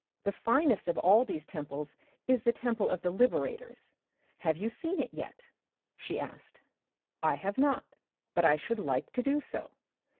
The finest of all these temples is the Temple of the Liberators ; have you seen it yet ?— she asked. I have not, but I should like to do so.